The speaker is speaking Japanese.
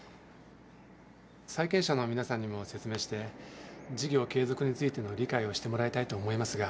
債権者の皆さんにも説明して事業継続についての理解をしてもらいたいと思いますが。